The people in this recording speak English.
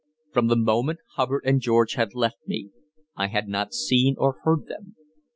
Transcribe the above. From the moment Hubbard and George had left me, I had not seen or heard them.